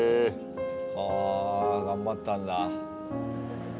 あ頑張ったんだ。